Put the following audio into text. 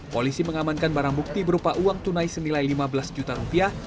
polisi mengamankan barang bukti berupa uang tunai senilai lima belas juta rupiah